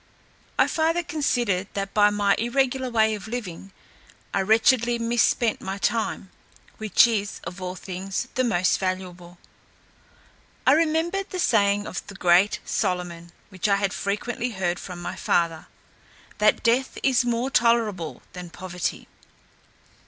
I farther considered, that by my irregular way of living I wretchedly misspent my time; which is, of all things, the most valuable. I remembered the saying of the great Solomon, which I had frequently heard from my father; That death is more tolerable than poverty.